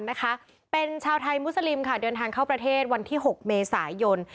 นะคะเป็นชาวไทยมุสลิมค่ะเดินทางเข้าประเทศวันที่๖เมษายน